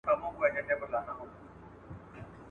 او پیسې به را رواني وي پرېماني ..